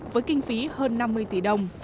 với kinh phí hơn năm mươi tỷ đồng